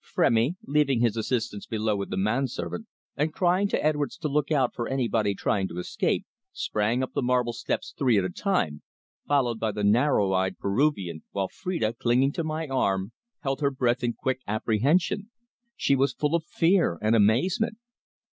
Frémy, leaving his assistants below with the man servant, and crying to Edwards to look out for anybody trying to escape, sprang up the marble steps three at a time, followed by the narrow eyed Peruvian, while Phrida, clinging to my arm, held her breath in quick apprehension. She was full of fear and amazement.